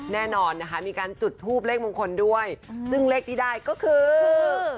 แน่นอนนะคะมีการจุดทูบเลขมงคลด้วยซึ่งเลขที่ได้ก็คือ